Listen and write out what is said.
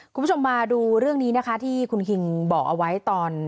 คุณผู้ชมมาดูเรื่องนี้นะคะที่คุณคิงบอกเอาไว้ตอน